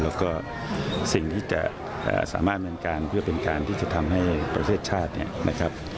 แล้วก็สิ่งที่จะสามารถเป็นการเพื่อเป็นการที่จะทำให้ประเทศชาติเนี่ยนะครับ